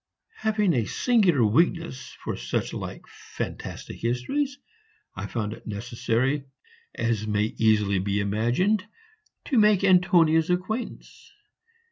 '" Having a singular weakness for such like fantastic histories, I found it necessary, as may easily be imagined, to make Antonia's acquaintance.